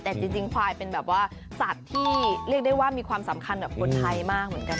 แต่จริงควายเป็นแบบว่าสัตว์ที่เรียกได้ว่ามีความสำคัญแบบคนไทยมากเหมือนกัน